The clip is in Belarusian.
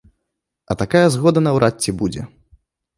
А такая згода наўрад ці будзе.